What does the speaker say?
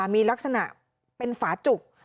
มีลักษณะเป็นฝาจุก